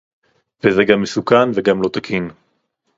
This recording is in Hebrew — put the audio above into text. וזה גם מסוכן וגם לא תקין